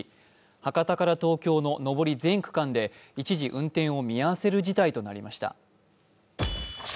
博多から東京の上り全区間で一時運転を見合わせる事態となりました。